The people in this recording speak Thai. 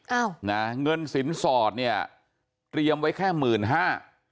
อ้าวนะเงินสินสอดเนี่ยเตรียมไว้แค่หมื่นห้า